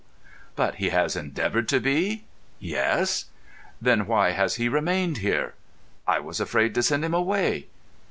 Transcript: "But he has endeavoured to be?" "Yes." "Then why has he remained here?" "I was afraid to send him away."